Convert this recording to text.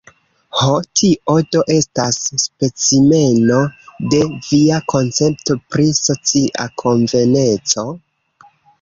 Ho, tio, do, estas specimeno de via koncepto pri socia konveneco?